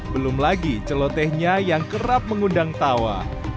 belum lagi celotehnya yang kerap mengundang tawa